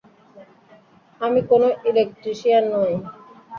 আমি কোনও ইলেকট্রিশিয়ান নই!